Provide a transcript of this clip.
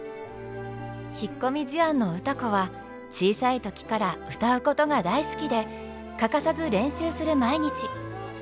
引っ込み思案の歌子は小さい時から歌うことが大好きで欠かさず練習する毎日。